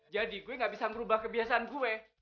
jadi gue gak bisa merubah kebiasaan gue